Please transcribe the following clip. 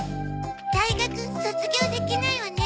大学卒業できないわね。